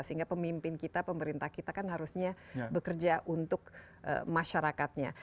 sehingga pemimpin kita pemerintah kita kan harusnya bekerja untuk masyarakatnya